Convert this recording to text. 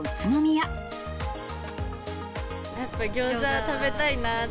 やっぱりギョーザ食べたいなって。